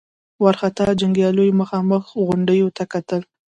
وارخطا جنګياليو مخامخ غونډيو ته کتل.